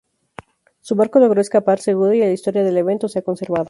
Su barco logró escapar seguro y la historia del evento se ha conservado.